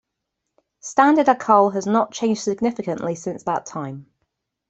Standard Acol has not changed significantly since that time.